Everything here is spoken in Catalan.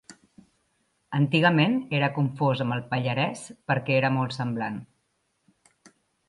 Antigament era confós amb el pallarès perquè era molt semblant.